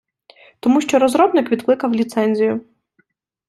Тому, що розробник відкликав ліцензію.